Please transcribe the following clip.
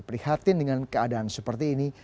prihatin dengan keadaan seperti ini